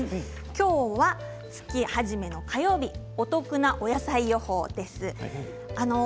今日は月初めの火曜日お得な、お野菜予報です。